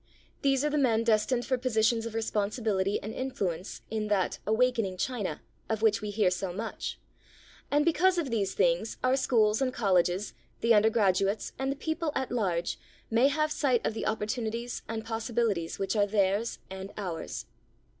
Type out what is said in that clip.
These are the men destined for positions of responsibility and influence in that "Awakening China" of which we hear so much, and because of these things our schools and colleges, the undergraduates, and the people at large, may have sight of the opportunities and pos sibilities which are theirs and ours.